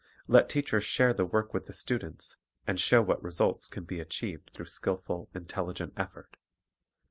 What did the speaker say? Let teachers share the work with the students, and show what results can be achieved through skilful, intelligent effort.